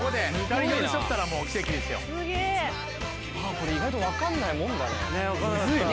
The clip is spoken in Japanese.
これ意外と分かんないもんだね。